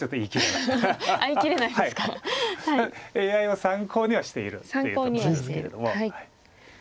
ＡＩを参考にはしているっていうところですけれども。